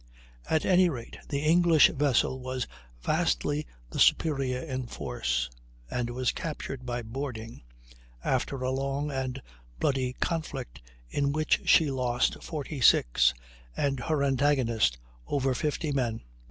At any rate the English vessel was vastly the superior in force, and was captured by boarding, after a long and bloody conflict in which she lost 46, and her antagonist over 50, men.